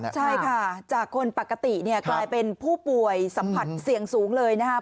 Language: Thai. ใช่ค่ะจากคนปกติเนี่ยกลายเป็นผู้ป่วยสัมผัสเสี่ยงสูงเลยนะครับ